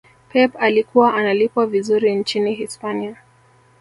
pep alikuwa analipwa vizuri nchini hispania